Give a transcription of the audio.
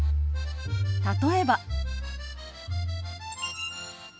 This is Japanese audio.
例えば。